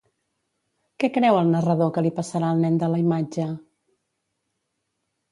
Què creu el narrador que li passarà al nen de la imatge?